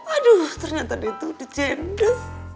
aduh ternyata dia tuh di gendo